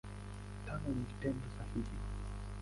Tano ni Tendo sahihi.